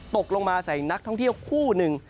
ตกลงมาใส่นักท่องเที่ยวคู่หนึ่ง